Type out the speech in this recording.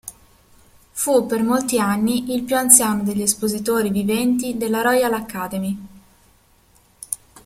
Fu per molti anni il più anziano degli espositori viventi della Royal Academy.